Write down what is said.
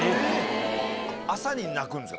朝に鳴くんですか？